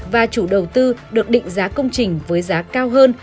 và chủ đầu tư được định giá công trình với giá cao hơn